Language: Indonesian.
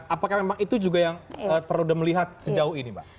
apakah memang itu juga yang perlu melihat sejauh ini mbak